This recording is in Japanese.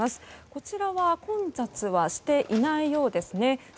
こちらは混雑はしていないようですね。